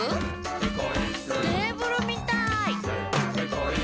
「テーブルみたい」